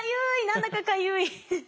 何だかかゆい。